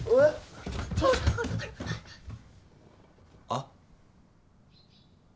あっ。